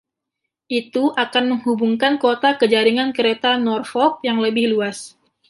Itu akan menghubungkan kota ke jaringan kereta Norfolk yang lebih luas.